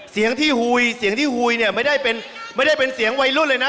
เสียงที่หุโยยเสียงที่หุโยยเนี่ยไม่ได้เป็นเหมือนเสียงวัยรุ่นเลยนะ